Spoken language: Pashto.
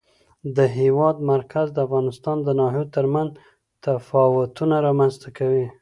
د هېواد مرکز د افغانستان د ناحیو ترمنځ تفاوتونه رامنځته کوي.